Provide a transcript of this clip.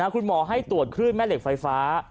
คุณหมอให้ตรวจคลื่นแม่เหล็กไฟฟ้า